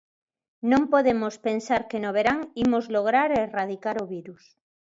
Non podemos pensar que no verán imos lograr erradicar o virus.